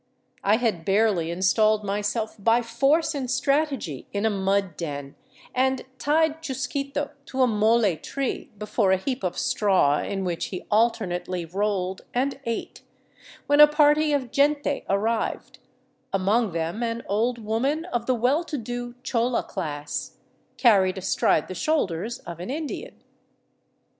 I had barely installed myself by force and strategy in a mud den, and tied Chusquito to a wolle tree before a heap of straw in which he alternately rolled and ate, when a party of gente arrived, among them an old woman of the well to do chola class, carried astride the shoulders of an Indian.